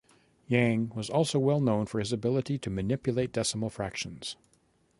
Yang was also well known for his ability to manipulate decimal fractions.